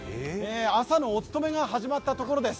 朝のお務めが始まったところです。